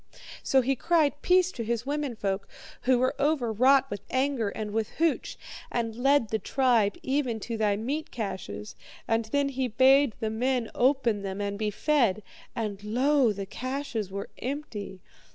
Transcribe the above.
So he cried peace to his womenfolk, who were overwrought with anger and with hooch, and led the tribe even to thy meat caches. And he bade the men open them and be fed. And lo, the caches were empty.